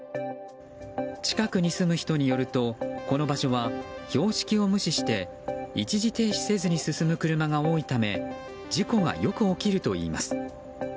近くに住む人によるとこの場所は標識を無視して一時停止せずに進む車が多いため事故がよく起きるといいます。